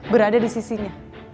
berada di sisinya